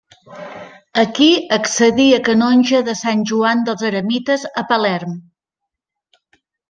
Aquí accedí a canonge de Sant Joan dels Eremites, a Palerm.